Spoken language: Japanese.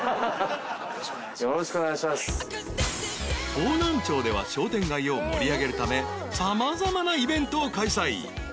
［方南町では商店街を盛り上げるため様々なイベントを開催］